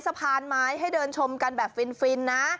สะพานไม้ให้เดินชมกันแบบฟินนะ